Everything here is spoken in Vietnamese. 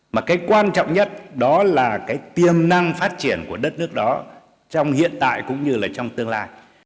mà cái quan trọng nhất đó là cái tiềm năng phát triển của đất nước đó trong hiện tại cũng như là trong tương lai